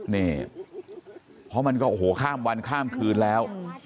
นี่เพราะมันก็โอ้โหข้ามวันข้ามคืนแล้ว